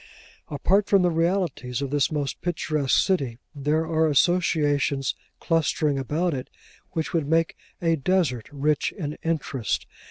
Apart from the realities of this most picturesque city, there are associations clustering about it which would make a desert rich in interest.